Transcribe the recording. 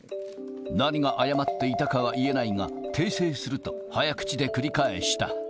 何が誤っていたかは言えないが、訂正すると、早口で繰り返した。